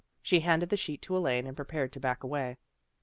She handed the sheet to Elaine and prepared to back away.